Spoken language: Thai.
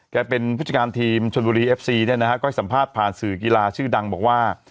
เป็นผู้จัดการทีมชนบุรีเอฟซีเนี่ยนะฮะก็ให้สัมภาษณ์ผ่านสื่อกีฬาชื่อดังบอกว่า